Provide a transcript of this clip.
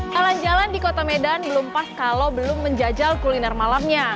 jalan jalan di kota medan belum pas kalau belum menjajal kuliner malamnya